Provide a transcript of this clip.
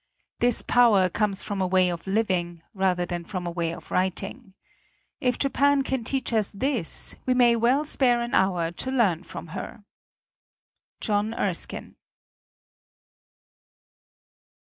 This power comes from a way of living, rather than from a way of writing. If Japan can teach us this, we may well spare an hour to learn from her. JOHN EKSKINE.